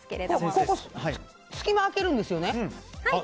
先生、ここは隙間を開けるんですよね。